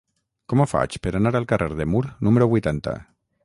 Com ho faig per anar al carrer de Mur número vuitanta?